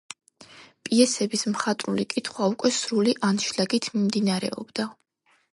პიესების მხატვრული კითხვა უკვე სრული ანშლაგით მიმდინარეობდა.